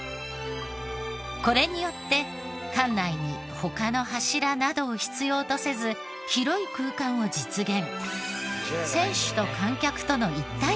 これによって館内に他の柱などを必要とせず広い空間を実現。